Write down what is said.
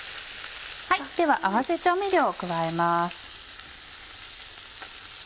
では合わせ調味料を加えます。